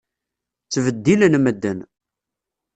Ttbeddilen medden.